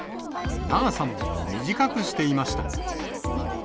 長さも短くしていました。